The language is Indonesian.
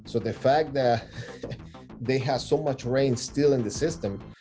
jadi faktanya mereka masih ada banyak hujan di sistem